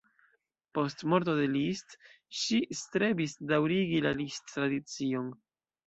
Post morto de Liszt ŝi strebis daŭrigi la Liszt-tradicion.